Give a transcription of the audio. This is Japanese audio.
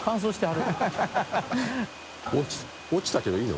落ちたけどいいの？